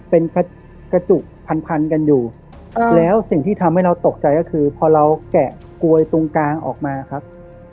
เป็นกระจุกพันพันกันอยู่แล้วสิ่งที่ทำให้เราตกใจก็คือพอเราแกะกลวยตรงกลางออกมาครับ